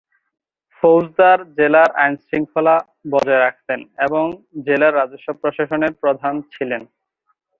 ফৌজদার জেলার আইন-শৃঙ্খলা বজায় রাখতেন এবং জেলার রাজস্ব প্রশাসনের প্রধান ছিলেন।